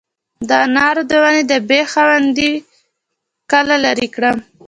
د انارو د ونې د بیخ خاوندې کله لرې کړم؟